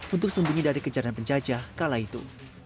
untuk sembunyi dari kejaran penjajah kala itu